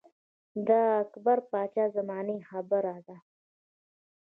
دا د اکبر باچا د زمانې خبره ده